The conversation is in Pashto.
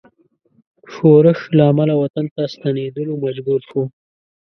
ښورښ له امله وطن ته ستنېدلو مجبور شو.